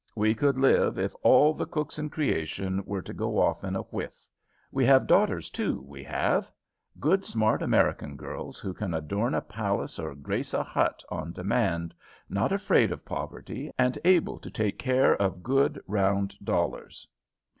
We could live if all the cooks in creation were to go off in a whiff. We have daughters too, we have. Good smart American girls, who can adorn a palace or grace a hut on demand, not afraid of poverty, and able to take care of good round dollars.